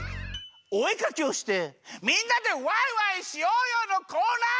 おえかきをしてみんなでワイワイしようよのコーナー！